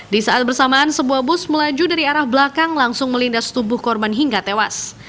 di saat bersamaan sebuah bus melaju dari arah belakang langsung melindas tubuh korban hingga tewas